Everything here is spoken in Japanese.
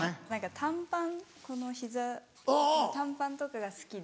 短パンこの膝短パンとかが好きで。